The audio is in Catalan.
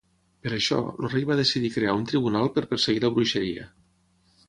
Per això, el rei va decidir crear un tribunal per perseguir la bruixeria.